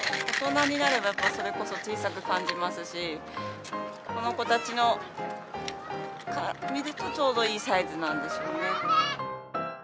大人になればそれこそ小さく感じますし、この子たちから見るとちょうどいいサイズなんでしょうね。